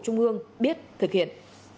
trung ương biết thực hiện